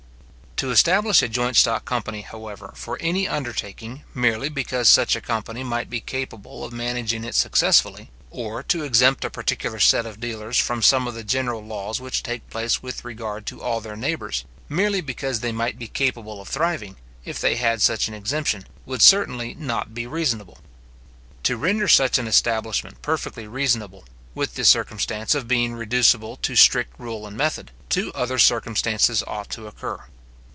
To establish a joint stock company, however, for any undertaking, merely because such a company might be capable of managing it successfully; or, to exempt a particular set of dealers from some of the general laws which take place with regard to all their neighbours, merely because they might be capable of thriving, if they had such an exemption, would certainly not be reasonable. To render such an establishment perfectly reasonable, with the circumstance of being reducible to strict rule and method, two other circumstances ought to concur.